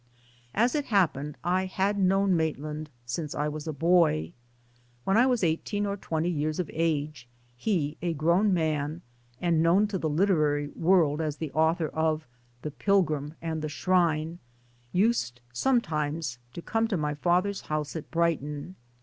As it happened I had known Maitland since I was a boy. When I was eighteen or twenty years of age he a grown man, and known in the literary world as the author of The Pilgrim and the Shrine, used sometimes to come to my father's house at Brighton.